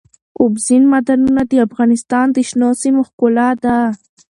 اوبزین معدنونه د افغانستان د شنو سیمو ښکلا ده.